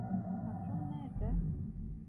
Patron nerede?